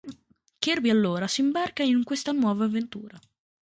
Kirby allora si imbarca in questa nuova avventura.